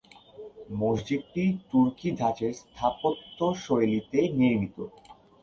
মসজিদটি তুর্কি ধাঁচের স্থাপত্য শৈলীতে নির্মিত।